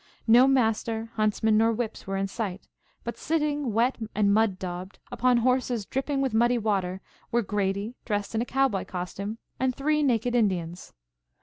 No master, huntsmen nor whips were in sight, but sitting, wet and mud daubed, upon horses dripping with muddy water were Grady dressed in cowboy costume and three naked Indians.